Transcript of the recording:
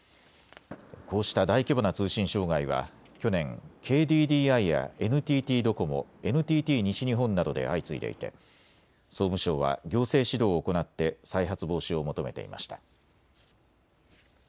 こうした大規模な通信障害は去年、ＫＤＤＩやＮＴＴドコモ、ＮＴＴ西日本などで相次いでいて総務省は行政指導を行って再発防止を求めていました。